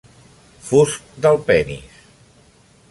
Fust del penis.